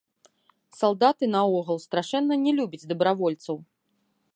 Салдаты наогул страшэнна не любяць дабравольцаў.